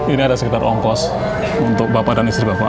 ini ada sekitar ongkos untuk bapak dan istri bapak